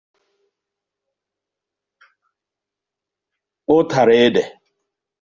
ụtara ede